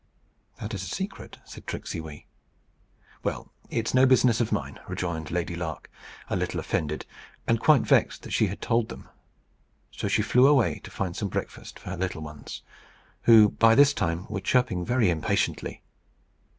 "That is a secret," said Tricksey Wee. "Well, it's no business of mine," rejoined Lady Lark, a little offended, and quite vexed that she had told them. So she flew away to find some breakfast for her little ones, who by this time were chirping very impatiently.